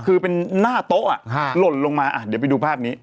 คือเป็นหน้าโต๊ะหล่นลงมาเดี๋ยวไปดูภาพนี้